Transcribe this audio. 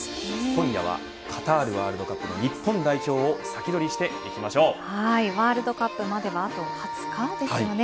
今夜はカタールワールドカップ日本代表をワールドカップまではあと２０日ですよね。